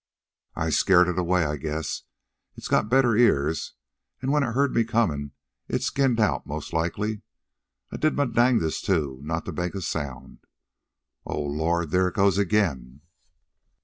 "I scared it away, I guess. It's got better ears, an' when it heard me comin' it skinned out most likely. I did my dangdest, too, not to make a sound. O Lord, there it goes again."